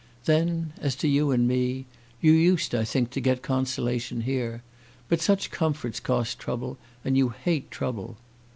Then, as to you and me, you used, I think, to get consolation here. But such comforts cost trouble, and you hate trouble."